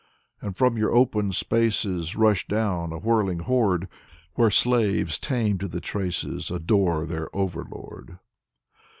And from your open spaces Rush down, a whirling horde, Where slaves tamed to the traces Adore their overlord.